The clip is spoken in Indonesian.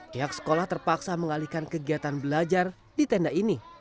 pihak sekolah terpaksa mengalihkan kegiatan belajar di tenda ini